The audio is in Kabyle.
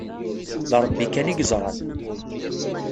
D Rebbi kan i yeẓran.